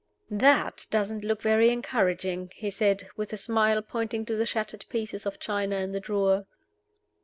"That doesn't look very encouraging," he said, with a smile, pointing to the shattered pieces of china in the drawer.